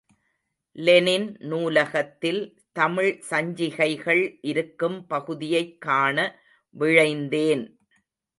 Lenin நூலகத்தில் தமிழ் சஞ்சிசைகள் இருக்கும் பகுதியைக் காண விழைந்தேன்.